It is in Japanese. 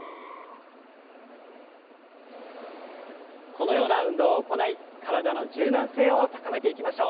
このような運動を行い体の柔軟性を高めていきましょう。